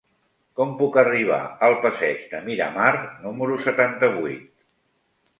Com puc arribar al passeig de Miramar número setanta-vuit?